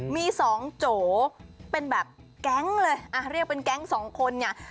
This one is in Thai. มีสองโจเป็นแบบแก๊งเลยอ่ะเรียกเป็นแก๊งสองคนเนี่ย